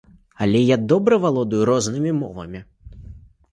Але я добра валодаю рознымі мовамі.